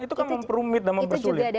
itu kan memperumit dan mempersulit